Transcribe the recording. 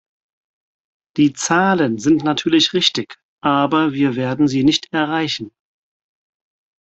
Die Zahlen sind natürlich richtig, aber wir werden sie nicht erreichen.